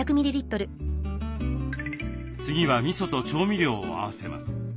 次はみそと調味料を合わせます。